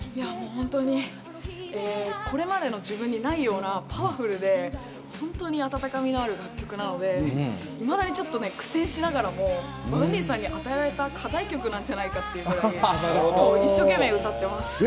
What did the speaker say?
本当にこれまでの自分にないようなパワフルで、本当に温かみのある楽曲なので、いまだにちょっと苦戦しながらもＶａｕｎｄｙさんに与えられた課題曲なんじゃないかって、一生懸命歌ってます。